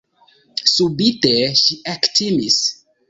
Subite ŝi ektimis.